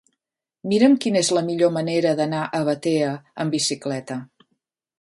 Mira'm quina és la millor manera d'anar a Batea amb bicicleta.